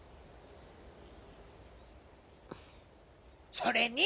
それに！